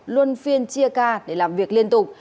luôn phiên chia ca để làm việc liên tục